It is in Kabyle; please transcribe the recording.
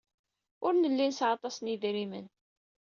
Ur nelli nesɛa aṭas n yedrimen.